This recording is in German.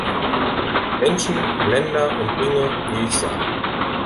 Menschen, Länder und Dinge, die ich sah.